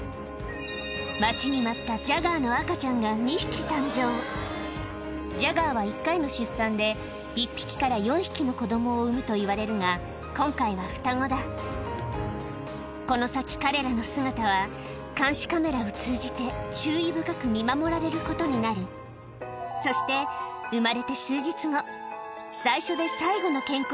待ちに待ったジャガーの赤ちゃんがジャガーは一回の出産で１匹から４匹の子供を産むといわれるが今回は双子だこの先彼らの姿は監視カメラを通じて注意深く見守られることになるそして生まれてシっ！